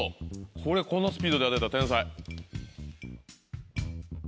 これこのスピードで当てたら天才。